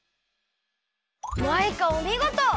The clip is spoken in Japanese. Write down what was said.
マイカおみごと！